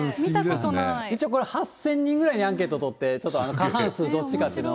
一応これ、８０００人ぐらいにアンケート取って、ちょっと過半数どっちかっていうのを。